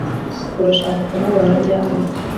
urashaka kumubona ryari